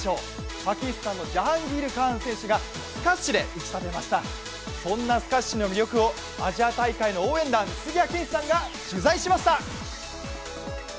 パキスタンのジャハーン・ギール・カーン選手がスカッシュで打ちたてました、そんなスカッシュの魅力をアジア大会の応援団、杉谷拳士さんが取材しました。